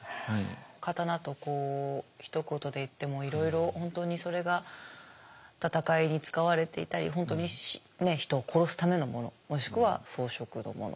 刀とひと言で言ってもいろいろ本当にそれが戦いに使われていたり本当に人を殺すためのものもしくは装飾のもの